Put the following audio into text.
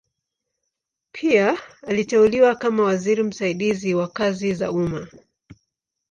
Pia aliteuliwa kama waziri msaidizi wa kazi za umma.